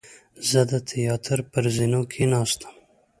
زه د تیاتر پر زینو کېناستم.